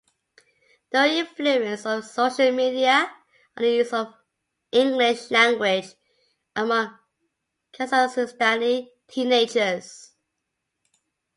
The influence of social media on the use of English language among Kazakhstani teenagers.